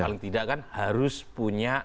paling tidak kan harus punya